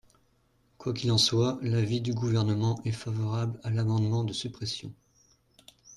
Quoi qu’il en soit, l’avis du Gouvernement est favorable à l’amendement de suppression.